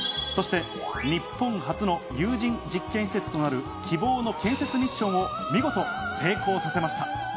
そして日本初の有人実験施設となる「きぼう」の建設ミッションを見事成功させました。